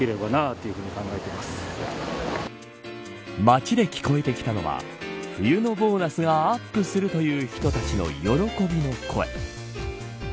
街で聞こえてきたのは冬のボーナスがアップするという人たちの喜びの声。